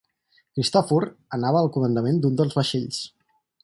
Cristòfor anava al comandament d'un dels vaixells.